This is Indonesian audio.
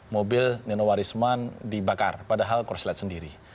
tidak ada nino warisman dibakar padahal korslet sendiri